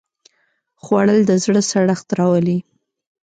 خوړل د زړه سړښت راولي